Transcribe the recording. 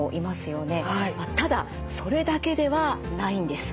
ただそれだけではないんです。